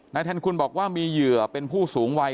แทนคุณบอกว่ามีเหยื่อเป็นผู้สูงวัย